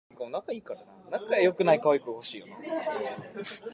Star World is available throughout the South Pacific through Sky Pacific.